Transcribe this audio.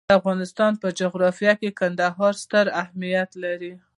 د افغانستان په جغرافیه کې کندهار ستر اهمیت لري.